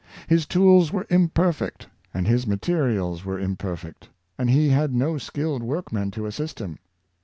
His tools were imperfect, and his materials were imperfect; and he had no skilled workmen to assist him.